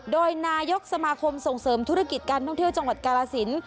โดยนายกสมาคมส่งเสริมธุรกิจการท่องเที่ยวจังหวัดกาลสิน